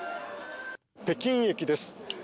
北京駅です。